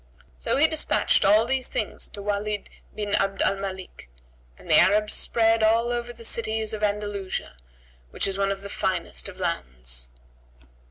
So he despatched all these things to Walid bin Abd al Malik, and the Arabs spread all over the cities of Andalusia which is one of the finest of lands.